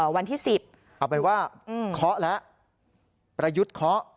หมายความว่าเคาะแล้วประยุทธ์เคาะ